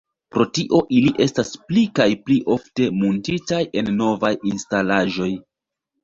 Pro tio ili estas pli kaj pli ofte muntitaj en novaj instalaĵoj.